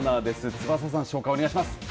翼さん紹介お願いします。